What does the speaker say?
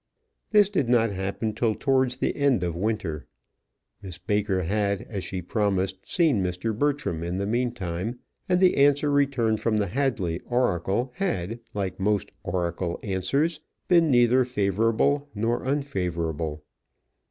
This did not happen till towards the end of winter. Miss Baker had, as she promised, seen Mr. Bertram in the meantime, and the answer returned from the Hadley oracle had, like most oracle answers, been neither favourable nor unfavourable.